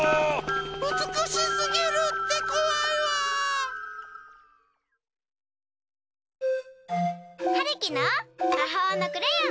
うつくしすぎるってこわいわ！はるきのまほうのクレヨン！